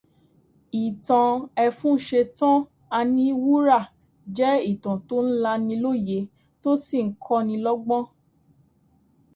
Ìtan Ẹfúnṣetán Aníwúrà jẹ́ ìtàn tó ń lani lóye, tó sì ń kọ́ni lọ́gbọ́n.